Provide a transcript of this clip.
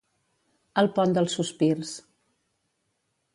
El pont dels sospirs.